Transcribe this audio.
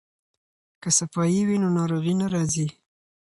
که صفايي وي نو ناروغي نه راځي.